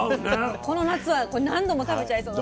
この夏はこれ何度も食べちゃいそう。